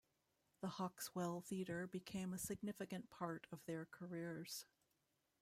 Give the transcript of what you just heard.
The Hawkswell Theatre became a significant part of their careers.